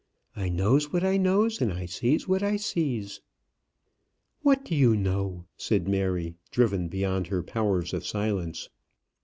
"I knows what I knows, and I sees what I sees." "What do you know?" said Mary, driven beyond her powers of silence.